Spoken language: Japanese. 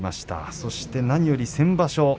そして何より先場所